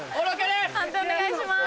判定お願いします。